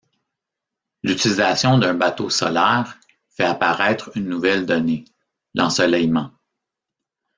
L'utilisation d'un bateau solaire fait apparaître une nouvelle donnée, l'ensoleillement.